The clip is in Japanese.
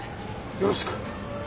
よろしく！